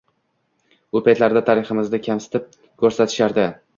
U paytlarda tariximizni kamsitib ko‘rsatishardi